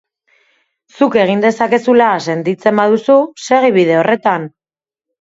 Zuk egin dezakezula sentitzen baduzu, segi bide horretan.